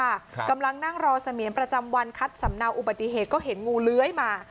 กำลังนั่งรอเสมียนประจำวันคัดสำเนาอุบัติเหตุก็เห็นงูเลื้อยมา